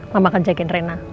mama akan jagain rena